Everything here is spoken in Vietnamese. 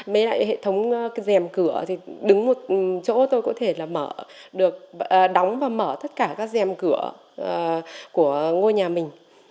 mấy lại hệ thống dèm cửa thì đứng một chỗ tôi có thể là mở được đóng và mở tất cả các dèm cửa của ngôi nhà mình